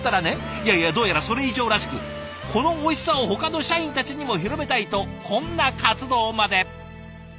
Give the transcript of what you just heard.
いやいやどうやらそれ以上らしく「このおいしさをほかの社員たちにも広めたい」とこんな活動まで。